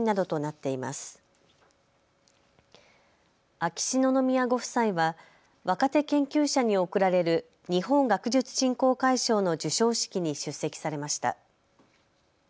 秋篠宮ご夫妻は若手研究に贈られる日本学術振興会賞の授賞式に出席されました。